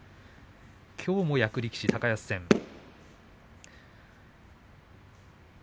きょうも役力士の高安戦です。